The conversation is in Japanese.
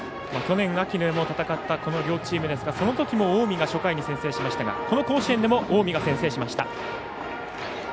去年、秋にも戦ったこの両チームですがそのときも近江が初回に先制しましたがこの甲子園でも近江が先制しました。